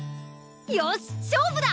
よし勝負だ！